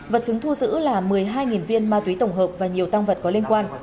vật chứng thu giữ là một mươi hai viên ma túy tổng hợp và nhiều tăng vật có liên quan